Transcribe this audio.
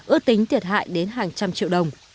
ước tính thiệt hại đến hàng trăm triệu đồng